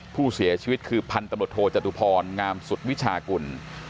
ผู้เสียชีวิตคือพันตำรวจโทจตุพรงามสุดวิชากุล